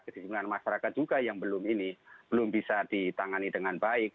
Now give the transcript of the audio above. kejujungan masyarakat juga yang belum ini belum bisa ditangani dengan baik